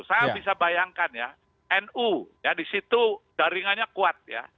saya bisa bayangkan ya nu ya di situ jaringannya kuat ya